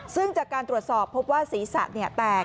ซึ่งจากการตรวจสอบพบว่าศีรษะแตก